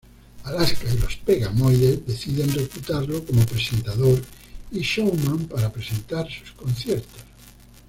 Alaska y los Pegamoides deciden reclutarlo como presentador y showman para presentar sus conciertos.